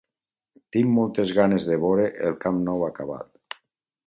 Tinc moltes ganes de veure el Camp Nou acabat.